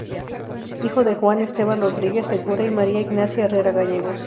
Hijo de Juan Esteban Rodríguez Segura y María Ignacia Herrera Gallegos.